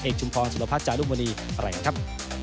เอกชุมพรสุรพัฒน์จานุมณีแหล่งครับ